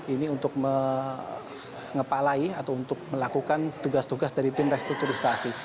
ini untuk mengepalai atau untuk melakukan tugas tugas dari tim restrukturisasi